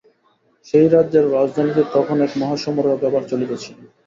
সেই রাজ্যের রাজধানীতে তখন এক মহাসমারোহ-ব্যাপার চলিতেছিল।